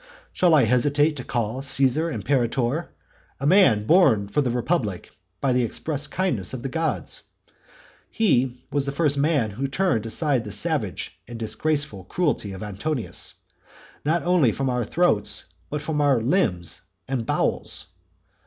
Shall I hesitate to call Caesar imperator, a man born for the republic by the express kindness of the gods? He who was the first man who turned aside the savage and disgraceful cruelty of Antonius, not only from our throats, but from our limbs and bowels?